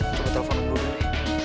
coba telfon dulu ya